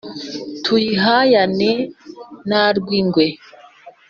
tuyihayane na rwingwe,